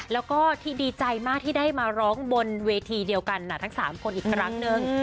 แล้วก็ที่ดีใจมากที่ได้มาร้องบนเวทีเดียวกันทั้ง๓คนอีกครั้งนึง